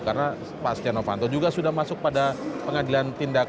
karena pak astiano vanto juga sudah masuk pada pengadilan tindakan